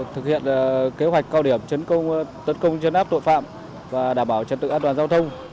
thực hiện kế hoạch cao điểm chấn công tấn công chấn áp tội phạm và đảm bảo chấn tự an toàn giao thông